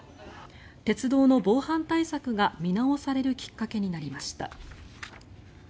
鉄道の防犯対策が見直されるきっかけになりました。